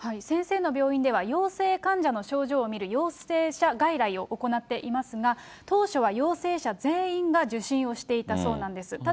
先生の病院では陽性患者の症状を診る陽性者外来を行っていますが、当初は陽性者全員が受診をしていたそうなんです。